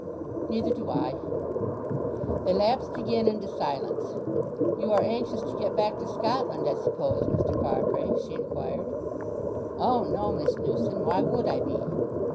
"Neither do I." They lapsed again into silence. "You are anxious to get back to Scotland, I suppose, Mr. Farfrae?" she inquired. "O no, Miss Newson. Why would I be?"